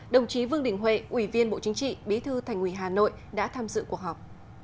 đồng chí vương đình huệ ủy viên bộ chính trị bí thư thành ủy hà nội đã tham dự cuộc họp